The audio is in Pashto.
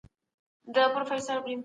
حقوق بايد په پوره امانتدارۍ ورکړل سي.